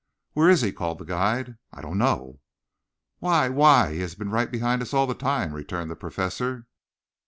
"Where is he?" called the guide. "I don't know." "Why, why, he has been right behind us all the time," returned the Professor.